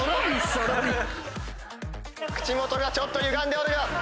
口元がちょっとゆがんでるが。